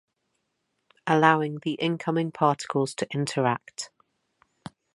Allowing the incoming particles to interact.